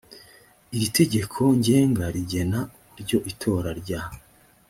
iri tegeko ngenga rigena uburyo itora rya